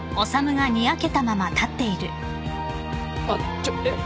あっちょっえっ？